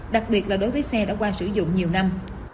đặc biệt là đối với xe đã qua sử dụng nhiều năm